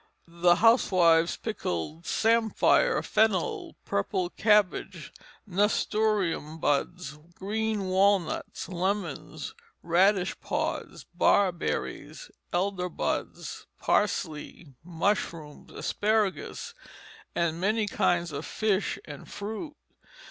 The housewives pickled samphire, fennel, purple cabbage, nasturtium buds, green walnuts, lemons, radish pods, barberries, elder buds, parsley, mushrooms, asparagus, and many kinds of fish and fruit.